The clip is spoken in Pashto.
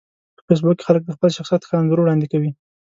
په فېسبوک کې خلک د خپل شخصیت ښه انځور وړاندې کوي